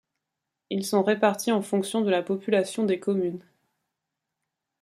Ils sont répartis en fonction de la population des communes.